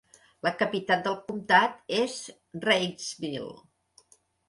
La capital del comptat és Reidsville.